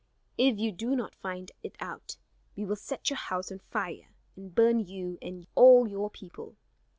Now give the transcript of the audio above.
If you do not find it out, we will set your house on fire, and burn you and all your people."